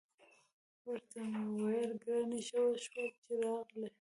ورته مې وویل: ګرانې، ښه وشول چې راغلې.